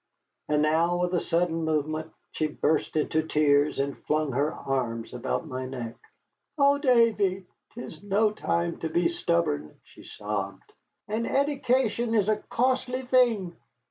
And now with a sudden movement she burst into tears and flung her arms about my neck. "Oh, Davy, 'tis no time to be stubborn," she sobbed, "and eddication is a costly thing.